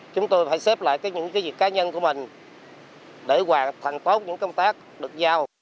chúng tôi phải xếp lại những cái việc cá nhân của mình để hoàn thành tốt những công tác được giao